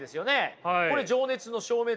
これ情熱の消滅ですよ。